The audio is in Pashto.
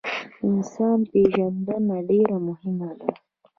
انسان پیژندنه ډیره مهمه ده